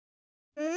うん！